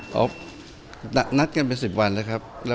แต่ว่าช่วงนี้มันแบบเป็นช่วงที่คุณธรรมนาจะถาม